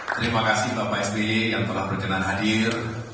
terima kasih bapak sby yang telah berkenan hadir